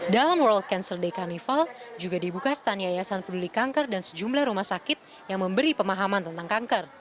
dalam world cancer day carnival juga dibuka stand yayasan peduli kanker dan sejumlah rumah sakit yang memberi pemahaman tentang kanker